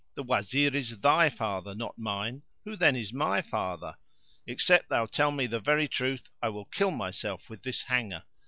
The Wazir is thy father, not mine! who then is my father? Except thou tell me the very truth I will kill myself with this hanger."